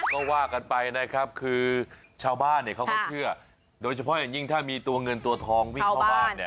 ก็ว่ากันไปนะครับคือชาวบ้านเนี่ยเขาก็เชื่อโดยเฉพาะอย่างยิ่งถ้ามีตัวเงินตัวทองวิ่งเข้าบ้านเนี่ย